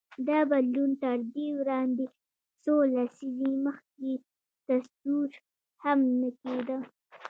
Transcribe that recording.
دا بدلون تر دې وړاندې څو لسیزې مخکې تصور هم نه کېده.